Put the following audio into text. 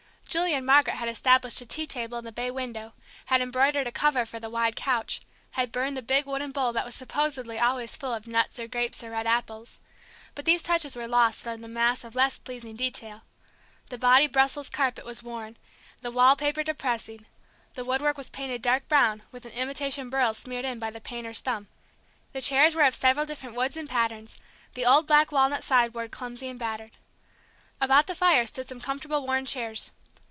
Julie and Margaret had established a tea table in the bay window, had embroidered a cover for the wide couch, had burned the big wooden bowl that was supposedly always full of nuts or grapes or red apples. But these touches were lost in the mass of less pleasing detail. The "body Brussels" carpet was worn, the wall paper depressing, the woodwork was painted dark brown, with an imitation burl smeared in by the painter's thumb. The chairs were of several different woods and patterns, the old black walnut sideboard clumsy and battered. About the fire stood some comfortable worn chairs.